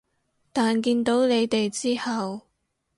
但見到你哋之後